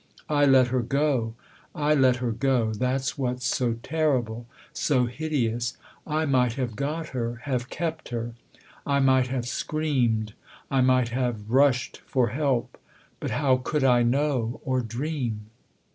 " I let her go I let her go ; that's what's so terrible, so hideous. I might have got her have kept her ; I might have screamed, I might have rushed for help. But how could I know or dream